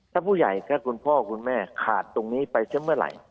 ถ้าผู้ใหญ่ถ้าคุณพ่อคุณแม่ขาดตรงนี้ไปซะเมื่อไหร่